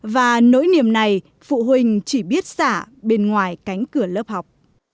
và nỗi niềm này phụ huynh chỉ biết xả bên ngoài cánh cửa lớp học